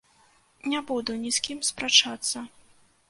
Не буду ні з кім спрачацца.